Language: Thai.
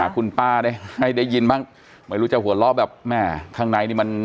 คุณป้าให้ได้ยินบ้างไม่รู้จะหัวเลือกแบบแห้งไหน